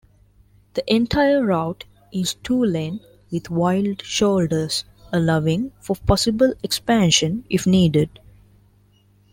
The entire route is two-lane with wide shoulders, allowing for possible expansion if needed.